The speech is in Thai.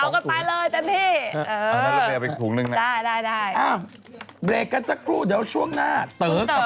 นายกิ๊กกลับช่องวันแล้วเหรอ